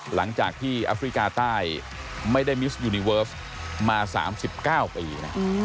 หลังจากที่อัฟริกาใต้ไม่ได้มิสต์ยูนิเวิร์ฟมาสามสิบเก้าปี